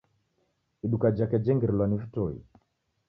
Iduka jake jengirilwa ni vitoi